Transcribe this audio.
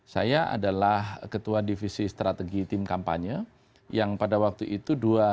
saya adalah ketua divisi strategi tim kampanye yang pada waktu itu